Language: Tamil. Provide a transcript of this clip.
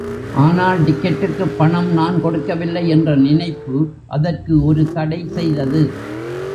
ஆனால் டிக்கெட்டுக்குப் பணம் நான் கொடுக்கவில்லை என்ற நினைப்பு அதற்கு ஒரு தடை செய்தது.